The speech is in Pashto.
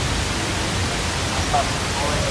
ما د زنده گۍ هره نامـــه ورتـــه ډالۍ كړله.